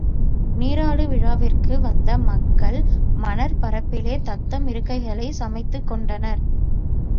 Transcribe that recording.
நீராடுவிழாவிற்காக வந்த மக்கள் மணற் பரப்பிலே தத்தம் இருக்கைகளைச் சமைத்துக் கொண்டனர்.